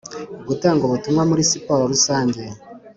gutanga ubutumwa muri siporo rusange;